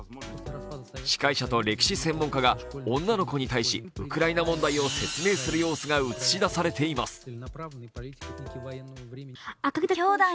司会者と歴史専門かが女の子に対し、ウクライナ問題を説明する様子が映し出されています。